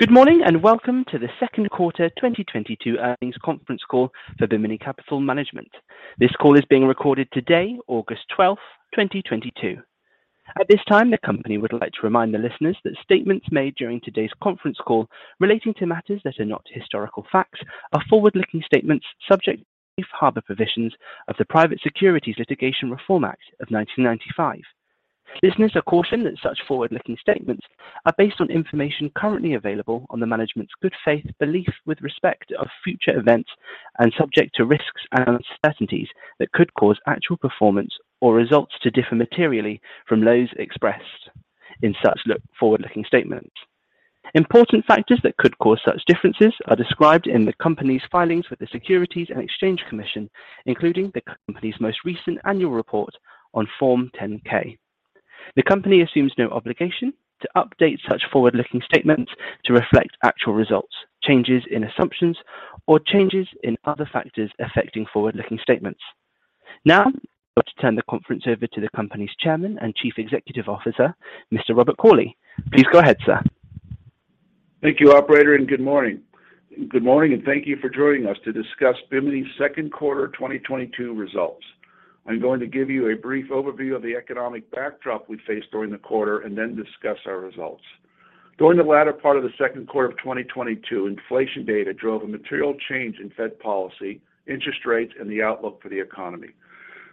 Good morning, and welcome to the Q2 2022 earnings conference call for Bimini Capital Management. This call is being recorded today, August 12, 2022. At this time, the company would like to remind the listeners that statements made during today's conference call relating to matters that are not historical facts are forward-looking statements subject to safe harbor provisions of the Private Securities Litigation Reform Act of 1995. Listeners are cautioned that such forward-looking statements are based on information currently available on the management's good faith belief with respect to future events and subject to risks and uncertainties that could cause actual performance or results to differ materially from those expressed in such forward-looking statements. Important factors that could cause such differences are described in the company's filings with the Securities and Exchange Commission, including the company's most recent annual report on Form 10-K. The company assumes no obligation to update such forward-looking statements to reflect actual results, changes in assumptions, or changes in other factors affecting forward-looking statements. Now I'd like to turn the conference over to the company's chairman and chief executive officer, Mr. Robert E. Cauley. Please go ahead, sir. Thank you, operator, and good morning. Good morning, and thank you for joining us to discuss Bimini's Q2 2022 results. I'm going to give you a brief overview of the economic backdrop we faced during the quarter and then discuss our results. During the latter part of the Q2 of 2022, inflation data drove a material change in Fed policy, interest rates, and the outlook for the economy.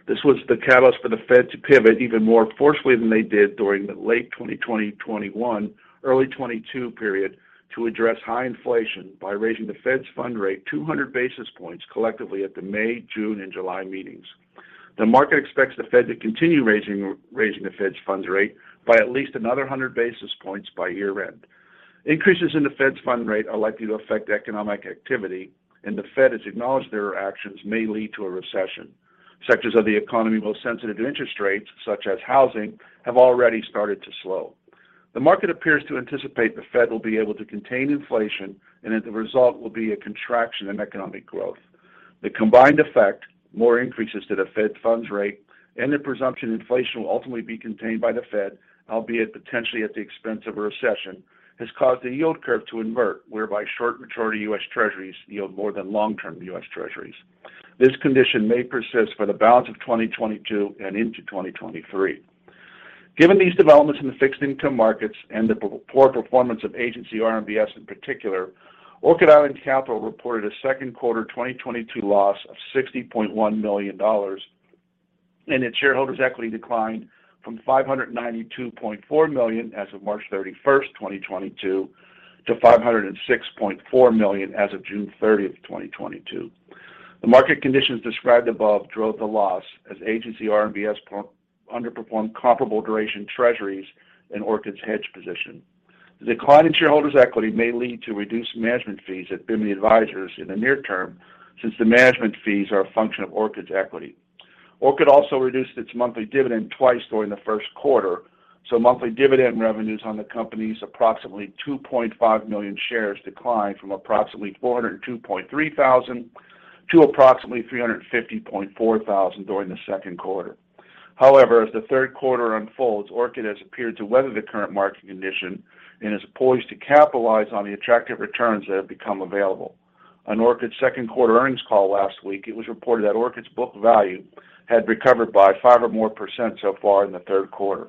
This was the catalyst for the Fed to pivot even more forcefully than they did during the late 2020, 2021, early 2022 period to address high inflation by raising the Fed funds rate 200 basis points collectively at the May, June, and July meetings. The market expects the Fed to continue raising the Fed funds rate by at least another 100 basis points by year-end. Increases in the Fed funds rate are likely to affect economic activity, and the Fed has acknowledged their actions may lead to a recession. Sectors of the economy most sensitive to interest rates, such as housing, have already started to slow. The market appears to anticipate the Fed will be able to contain inflation and that the result will be a contraction in economic growth. The combined effect, more increases to the Fed funds rate and the presumption inflation will ultimately be contained by the Fed, albeit potentially at the expense of a recession, has caused the yield curve to invert, whereby short maturity US Treasuries yield more than long-term US Treasuries. This condition may persist for the balance of 2022 and into 2023. Given these developments in the fixed income markets and the poor performance of agency RMBS in particular, Orchid Island Capital reported a Q2 2022 loss of $60.1 million, and its shareholders' equity declined from $592.4 million as of March 31, 2022, to $506.4 million as of June 30, 2022. The market conditions described above drove the loss as agency RMBS underperformed comparable duration Treasuries in Orchid's hedge position. The decline in shareholders' equity may lead to reduced management fees at Bimini Advisors in the near term since the management fees are a function of Orchid's equity. Orchid also reduced its monthly dividend twice during the Q1, so monthly dividend revenues on the company's approximately 2.5 million shares declined from approximately $402.3 thousand to approximately $350.4 thousand during the Q2. However, as the Q3 unfolds, Orchid has appeared to weather the current market condition and is poised to capitalize on the attractive returns that have become available. On Orchid's Q2 earnings call last week, it was reported that Orchid's book value had recovered by 5% or more so far in the Q3.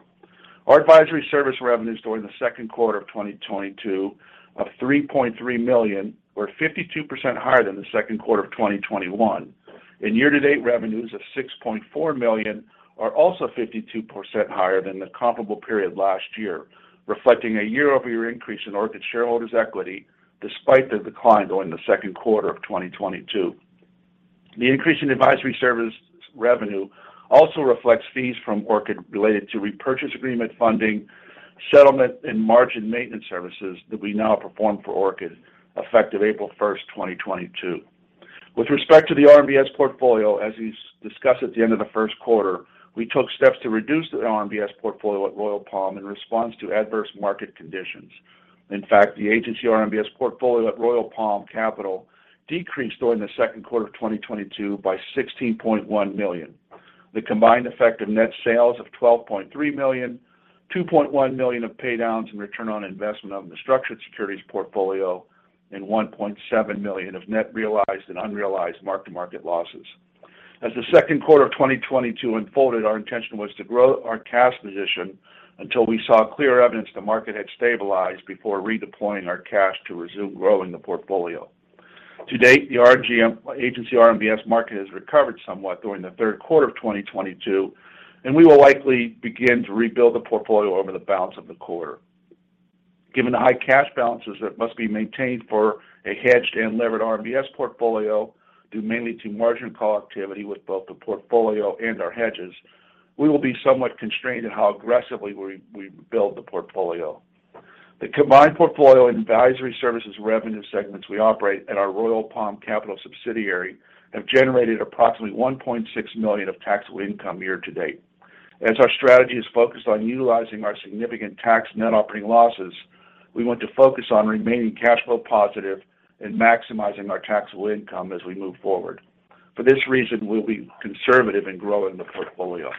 Our advisory service revenues during the Q2 of 2022 of $3.3 million were 52% higher than the Q2 of 2021. Year-to-date revenues of $6.4 million are also 52% higher than the comparable period last year, reflecting a year-over-year increase in Orchid shareholders' equity despite the decline during the Q2 of 2022. The increase in advisory service revenue also reflects fees from Orchid related to repurchase agreement funding, settlement, and margin maintenance services that we now perform for Orchid effective April 1, 2022. With respect to the RMBS portfolio, as we discussed at the end of the Q1, we took steps to reduce the RMBS portfolio at Royal Palm Capital in response to adverse market conditions. In fact, the agency RMBS portfolio at Royal Palm Capital decreased during the Q2 of 2022 by $16.1 million. The combined effect of net sales of $12.3 million, $2.1 million of pay downs and return on investment on the structured securities portfolio, and $1.7 million of net realized and unrealized mark-to-market losses. As the Q2 of 2022 unfolded, our intention was to grow our cash position until we saw clear evidence the market had stabilized before redeploying our cash to resume growing the portfolio. To date, the agency RMBS market has recovered somewhat during the Q3 of 2022, and we will likely begin to rebuild the portfolio over the balance of the quarter. Given the high cash balances that must be maintained for a hedged and levered RMBS portfolio, due mainly to margin call activity with both the portfolio and our hedges, we will be somewhat constrained in how aggressively we build the portfolio. The combined portfolio and advisory services revenue segments we operate at our Royal Palm Capital subsidiary have generated approximately $1.6 million of taxable income year to date. As our strategy is focused on utilizing our significant tax net operating losses, we want to focus on remaining cash flow positive and maximizing our taxable income as we move forward. For this reason, we'll be conservative in growing the portfolio.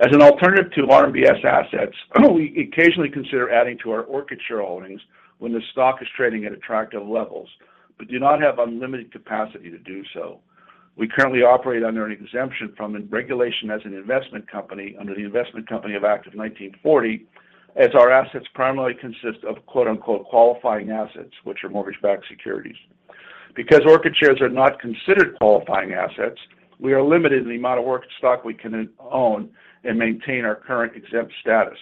As an alternative to RMBS assets, we occasionally consider adding to our Orchid shareholdings when the stock is trading at attractive levels, but do not have unlimited capacity to do so. We currently operate under an exemption from regulation as an investment company under the Investment Company Act of 1940 as our assets primarily consist of quote-unquote, "Qualifying assets," which are mortgage-backed securities. Because Orchid shares are not considered qualifying assets, we are limited in the amount of Orchid stock we can own and maintain our current exempt status.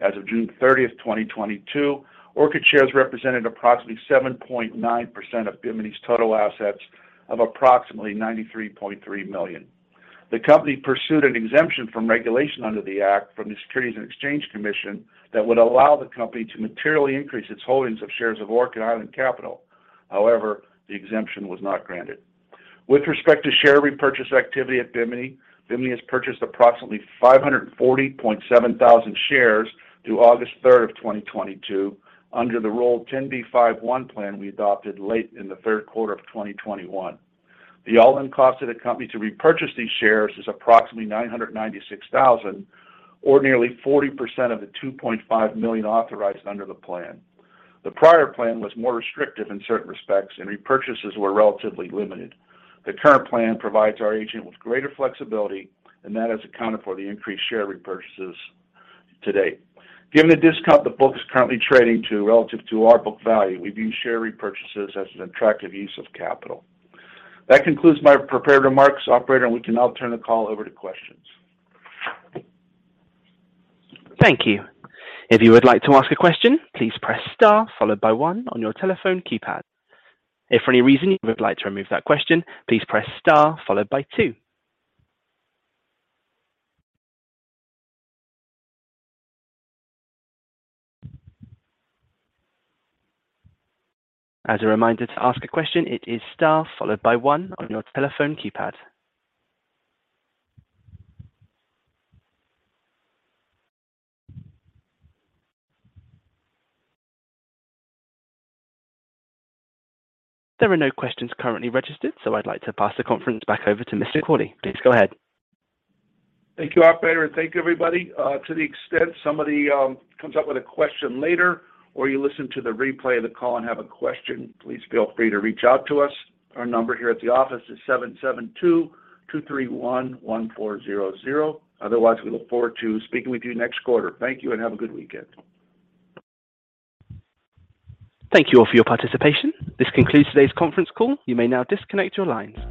As of June 30, 2022, Orchid shares represented approximately 7.9% of Bimini's total assets of approximately $93.3 million. The company pursued an exemption from regulation under the act from the Securities and Exchange Commission that would allow the company to materially increase its holdings of shares of Orchid Island Capital. However, the exemption was not granted. With respect to share repurchase activity at Bimini has purchased approximately 540.7 thousand shares through August 3, 2022 under the Rule 10b5-1 plan we adopted late in the Q3 of 2021. The all-in cost of the company to repurchase these shares is approximately $996,000 or nearly 40% of the 2.5 million authorized under the plan. The prior plan was more restrictive in certain respects, and repurchases were relatively limited. The current plan provides our agent with greater flexibility, and that has accounted for the increased share repurchases to date. Given the discount the book is currently trading to relative to our book value, we view share repurchases as an attractive use of capital. That concludes my prepared remarks. Operator, and we can now turn the call over to questions. Thank you. If you would like to ask a question, please press star followed by one on your telephone keypad. If for any reason you would like to remove that question, please press star followed by two. As a reminder to ask a question, it is star followed by one on your telephone keypad. There are no questions currently registered, so I'd like to pass the conference back over to Mr. Cauley. Please go ahead. Thank you, operator, and thank you, everybody. To the extent somebody comes up with a question later or you listen to the replay of the call and have a question, please feel free to reach out to us. Our number here at the office is 772-231-1400. Otherwise, we look forward to speaking with you next quarter. Thank you and have a good weekend. Thank you all for your participation. This concludes today's conference call. You may now disconnect your lines.